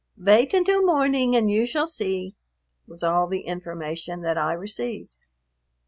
"Vait until morning and you shall see," was all the information that I received.